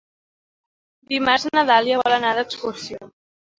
Dimarts na Dàlia vol anar d'excursió.